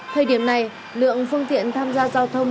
thời điểm này lượng phương tiện tham gia giao thông